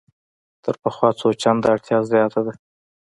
تر پخوا څو چنده اړتیا زیاته ده.